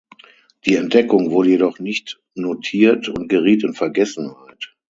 Die Entdeckung wurde jedoch nicht notiert und geriet in Vergessenheit.